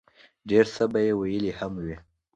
ډېر څۀ به ئې ويلي هم وي